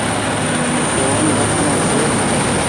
ڦون رکڻو ڇي۔